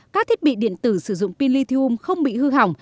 các thiết bị điện tử sử dụng pin lithium không bị hư hỏng